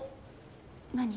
何？